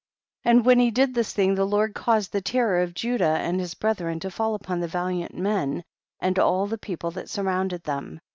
44. And when he did this thing the Lord caused the terror of Judah and his brethren to fall upon the valiant men and all the people that surrounded them.